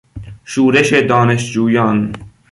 شورش دانشجویان